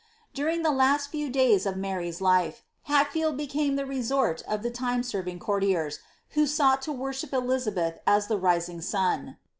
During the last few days of Mary's life, Hatfield became the resort of the time serving courtiers, who sought to worship Elizabeth as the rising sun.